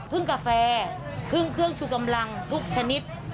เครื่องกาแฟเครื่องชูกำลังทุกชนิด